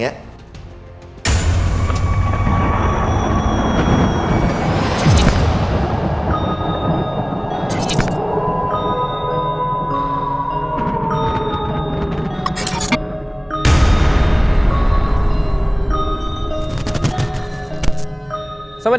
ดิงกระพวน